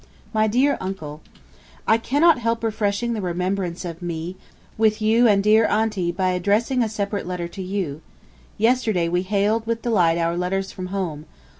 MY DEAR UNCLE: I cannot help refreshing the remembrance of me with you and dear Aunty by addressing a separate letter to you. ... Yesterday we hailed with delight our letters from home.